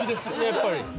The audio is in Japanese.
やっぱり。